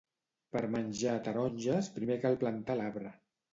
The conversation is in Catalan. Per menjar taronges primer cal plantar l'arbre